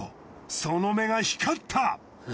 その目が光った！